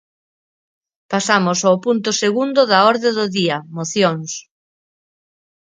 Pasamos ao punto segundo da orde do día, mocións.